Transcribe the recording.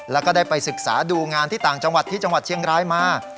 แล้วก็ได้ไปศึกษาดูงานที่ต่างจังหวัดที่จังหวัดเชียงรายมา